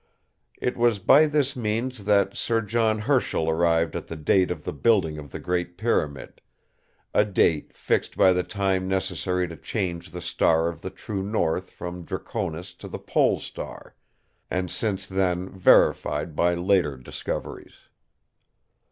It was by this means that Sir John Herschel arrived at the date of the building of the Great Pyramid—a date fixed by the time necessary to change the star of the true north from Draconis to the Pole Star, and since then verified by later discoveries.